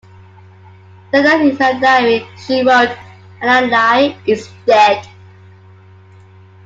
That night in her diary, she wrote, Adlai is dead.